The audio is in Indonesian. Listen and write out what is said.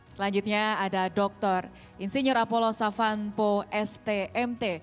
selanjutnya ada doktor insinyur apollo savanpo stmt